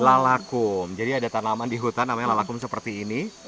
lalakum jadi ada tanaman di hutan namanya lalakum seperti ini